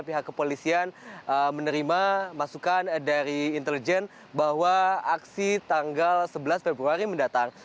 pihak kepolisian menerima masukan dari intelijen bahwa aksi tanggal sebelas februari mendatang